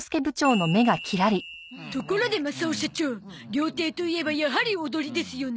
ところでマサオ社長料亭といえばやはり踊りですよね。